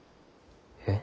えっ？